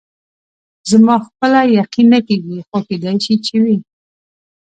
زما خپله یقین نه کېږي، خو کېدای شي چې وي.